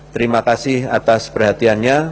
terima kasih atas perhatiannya